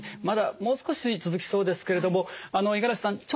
まだもう少し続きそうですけれども五十嵐さん